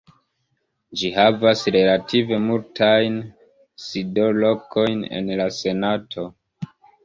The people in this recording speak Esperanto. Ĝi havas relative multajn sidlokojn en la senato.